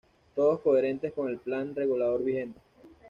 Todos coherentes con el Plan Regulador vigente.